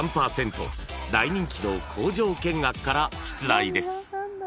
［大人気の工場見学から出題です］